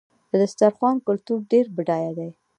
د دسترخوان کلتور ډېر بډایه دی.